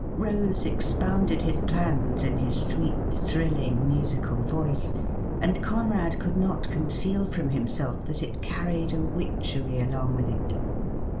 Rose expounded his plans in his sweet, thrilling, musical voice, and Conrad could not conceal from himself that it carried a witchery along with it.